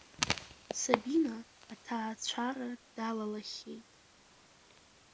Сабина аҭаацәара далалахьеит.